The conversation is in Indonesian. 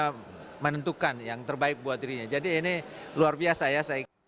bisa menentukan yang terbaik buat dirinya jadi ini luar biasa ya